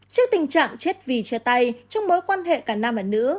trước tình trạng chết vì chia tay trong mối quan hệ cả nam và nữ